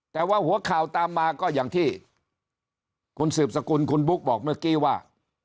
แต่ว่าหัวข่าวตามมาก็อย่างที่คุณสืบสกุลคุณบุ๊กบอกเมื่อกี้ว่า